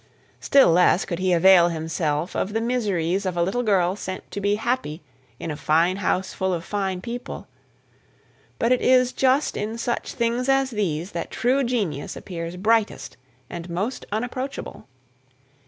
Still less could he avail himself of the miseries of a little girl sent to be happy in a fine house full of fine people; but it is just in such things as these that true genius appears brightest and most unapproachable.